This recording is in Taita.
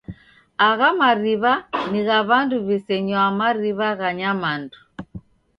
Agha mariwa ni gha w'andu w'isenywaa mariw'a gha nyamandu.